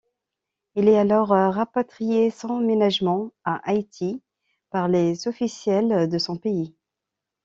Il est alors rapatrié sans ménagement à Haïti par les officiels de son pays.